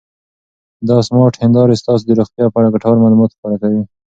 دا سمارټ هېندارې ستاسو د روغتیا په اړه ګټور معلومات ښکاره کوي.